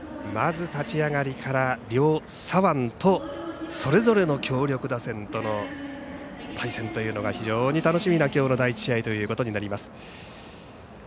まず立ち上がりから両左腕とそれぞれの強力打線との対戦というのが非常に楽しみなきょうの第１試合ということになります。